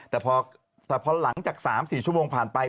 แต่พอหลังจาก๓๔ชั่วโมงผ่านไป